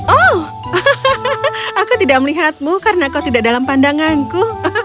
oh aku tidak melihatmu karena kau tidak dalam pandanganku